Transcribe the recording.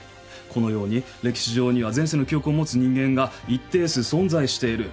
このように歴史上には前世の記憶を持つ人間が一定数存在している。